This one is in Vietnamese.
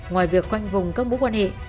ngoài việc quanh vùng các mũ quan hệ